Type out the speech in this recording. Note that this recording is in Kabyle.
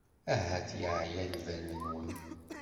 Ahat yeɛya lbal-nwen.